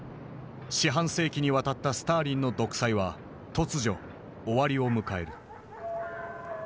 四半世紀にわたったスターリンの独裁は突如終わりを迎える。